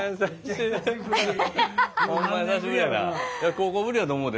高校ぶりやと思うで。